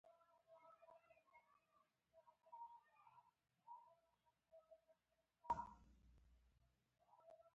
آیا پښتو یوه لرغونې ژبه نه ده؟